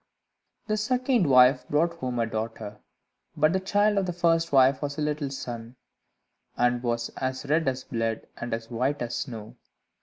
The second wife brought him a daughter, but the child of the first wife was a little son, and was as red as blood, and as white as snow.